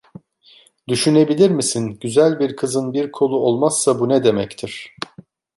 Düşünebilir misin, güzel bir kızın bir kolu olmazsa bu ne demektir?